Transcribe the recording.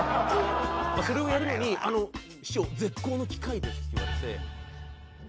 「それをやるのに師匠絶好の機会です」って言われて。